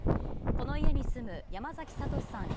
この家に住む、山崎悟司さん